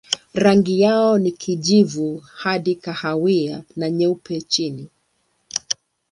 Rangi yao ni kijivu hadi kahawia na nyeupe chini.